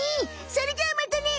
それじゃあまたね！